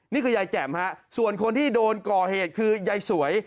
นี่คือยายแจ่มฮะส่วนคนที่โดนก่อเหตุคือยายสวย